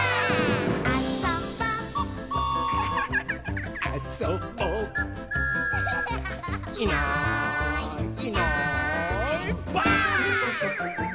「あそぼ」「あそぼ」「いないいないばあっ！」